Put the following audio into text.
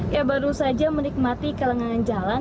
ya baru saja menikmati kelengangan jalan